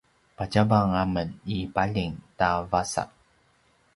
patjavang a men i paljing ta “vasa”